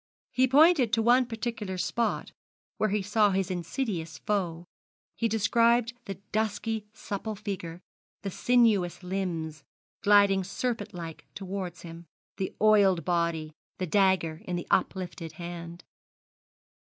He pointed to one particular spot where he saw his insidious foe he described the dusky supple figure, the sinuous limbs, gliding serpent like towards him, the oiled body, the dagger in the uplifted hand.